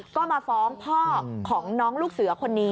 ก็มาฟ้องพ่อของน้องลูกเสือคนนี้